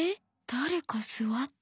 だれかすわった？」。